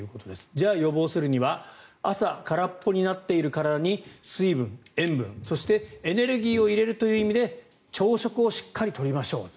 じゃあ予防するには朝、空っぽになっている体に水分、塩分、そしてエネルギーを入れるという意味で朝食をしっかり取りましょうと。